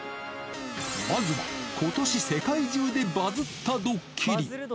まずは、ことし世界中でバズったドッキリ。